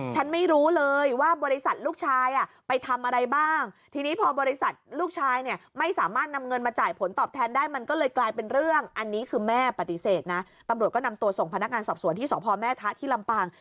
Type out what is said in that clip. ตำรวจก็นำตัวส่งพนักงานสอบสวนที่สแม่ทะที่ลำปาง